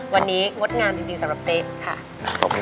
วันนี้งดงามจริงสำหรับเต๊ะค่ะ